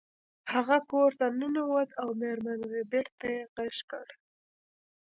هغه کور ته ننوت او میرمن ربیټ ته یې غږ کړ